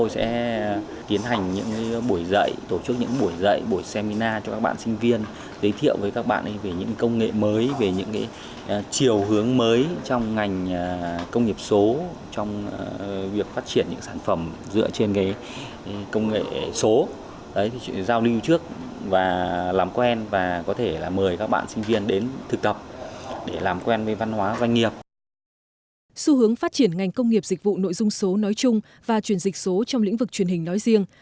số hướng phát triển ngành công nghiệp dịch vụ nội dung số nói chung và truyền dịch số trong lĩnh vực truyền hình nói riêng